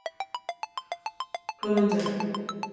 John Newton had a very similar history.